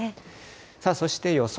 そして予想